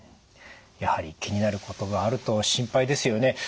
やはり気になることがあると心配ですよね。